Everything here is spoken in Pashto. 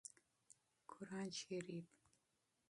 قران شريف